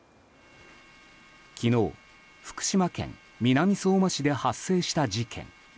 昨日、福島県南相馬市で発生した事件。